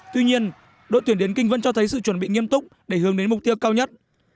tuy nhiên đội tuyển điền kinh vẫn cho thấy sự chuẩn bị nghiêm trọng